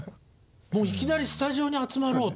もういきなりスタジオに集まろうと。